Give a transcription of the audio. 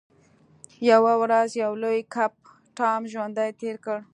یوه ورځ یو لوی کب ټام ژوندی تیر کړ.